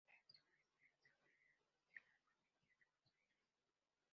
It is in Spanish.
Realizó una extensa carrera judicial en la Provincia de Buenos Aires.